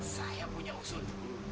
saya punya usul